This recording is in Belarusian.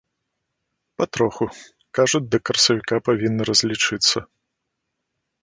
Патроху, кажуць, да красавіка павінны разлічыцца.